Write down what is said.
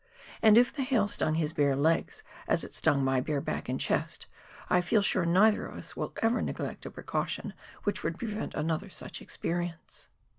And if the hail stung his bare legs as it stung my bare back and chest, I feel sure neither of us will ever neglect a precaution which would prevent another such experience.